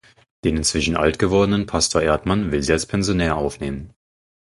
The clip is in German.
Den inzwischen alt gewordenen Pastor Erdmann will sie als Pensionär aufnehmen.